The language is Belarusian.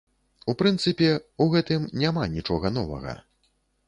У прынцыпе, у гэтым няма нічога новага.